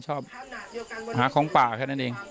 หาของป่าแค่นั้นเอง